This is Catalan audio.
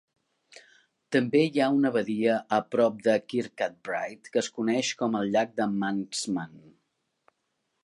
També hi ha una badia a prop de Kirkcudbright, que es coneix com el llac de Manxman.